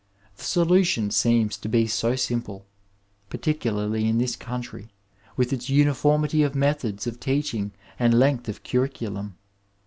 The solution seems to be so simple, particolady in this country, with its uniformity of methods of teaching and length of curriculum.